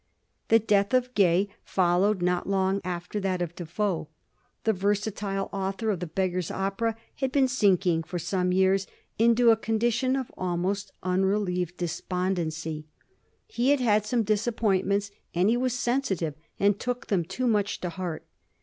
The death of Gay followed not long after that of Defoe. The versatile author of " The Beggars' Opera " had been sinking for some years into a condition of almost unre lieved despondency. He had had some disappointments, and he was sensitive, and took them too much to heart.